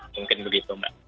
mungkin begitu mbak